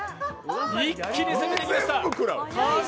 一気に攻めてきました。